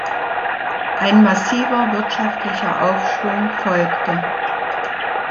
Ein massiver wirtschaftlicher Aufschwung folgte.